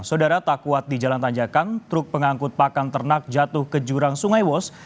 saudara tak kuat di jalan tanjakan truk pengangkut pakan ternak jatuh ke jurang sungai wos